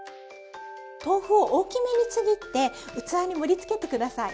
豆腐を大きめにちぎって器に盛りつけて下さい。